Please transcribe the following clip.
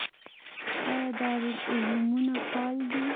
آیا دارالعلومونه فعال دي؟